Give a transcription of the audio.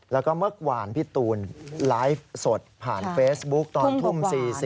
แล้วก็เมื่อวานพี่ตูนไลฟ์สดผ่านเฟซบุ๊กตอนทุ่ม๔๐